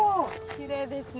きれいですね。